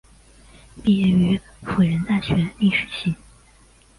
毕业于辅仁大学历史系。